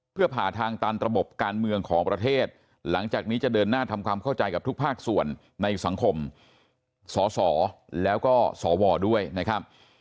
เพื่อผ่าทางตันระบบการเมืองของประเทศหลังจากนี้จะเดินหน้าทำความเข้าใจกับทุกภาคส่วนในสังคมสสแล้วก็สวด้วยนะครับ